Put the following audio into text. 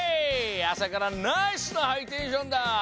あさからナイスなハイテンションだ！